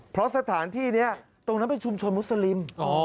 เพราะสถานที่นี้ตรงนั้นเป็นชุมชนมุสลิม